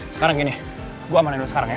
sekarang gini gue amanin dulu sekarang ya